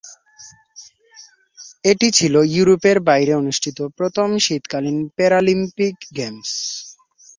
এটি ছিল ইউরোপের বাইরে অনুষ্ঠিত প্রথম শীতকালীন প্যারালিম্পিক গেমস।